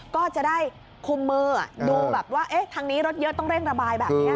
ก็จะได้คุมมือดูแบบว่าทางนี้รถเยอะต้องเร่งระบายแบบนี้